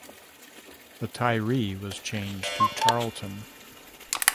The Tyree was changed to Tarleton.